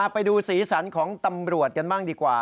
ไปดูสีสันของตำรวจกันบ้างดีกว่า